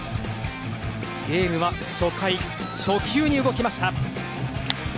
ゲームは初回、初球に動きました。